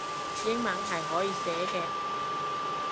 英文係可以寫嘅